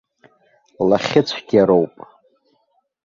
Лахьыцәгьароуп!